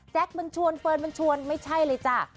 มันชวนเฟิร์นมันชวนไม่ใช่เลยจ้ะ